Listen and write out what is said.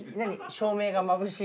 照明がまぶしい？